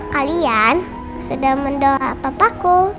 kalian sudah mendoa papaku